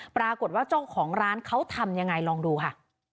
ปรากฏว่าเจ้าของร้านเขาทำยังไงลองดูค่ะ